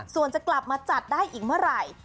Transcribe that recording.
ส่วนจะกลับมาจัดได้อีกเมื่อไหร่